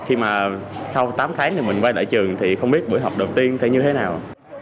khi mà sau tám tháng thì mình quay lại trường thì không biết buổi học đầu tiên thay như thế nào